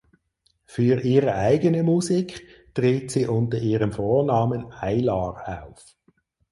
Für ihre eigene Musik tritt sie unter ihrem Vornamen Eyelar auf.